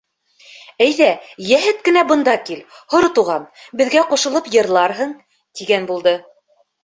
Әйҙә, йәһәт кенә бында кил, Һоро Туған, беҙгә ҡушылып йырларһың, — тигән булды.